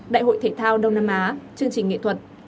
đại hội thể thao đông nam á chương trình nghệ thuật